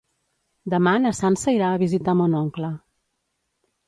Demà na Sança irà a visitar mon oncle.